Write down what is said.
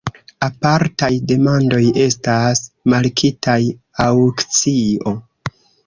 Apartaj demandoj estas markitaj aŭkcio.